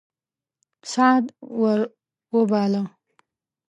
سعد ور وباله.